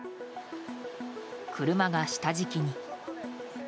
車が下敷きに。